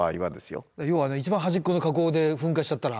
要は一番端っこの火口で噴火しちゃったら。